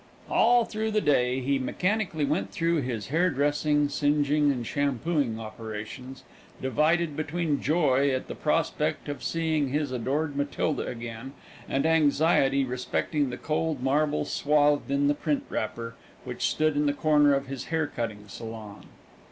All through the day he mechanically went through his hairdressing, singeing, and shampooing operations, divided between joy at the prospect of seeing his adored Matilda again, and anxiety respecting the cold marble swathed in the print wrapper, which stood in the corner of his hair cutting saloon.